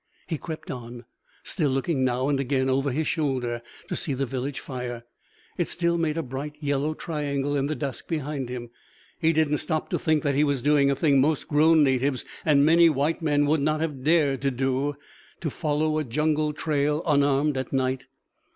He crept on, still looking now and again over his shoulder to see the village fire. It still made a bright yellow triangle in the dusk behind him. He didn't stop to think that he was doing a thing most grown natives and many white men would not have dared to do to follow a jungle trail unarmed at night.